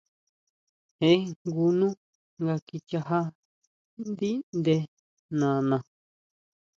Je jngu nú nga kichajá ndíʼnde nana .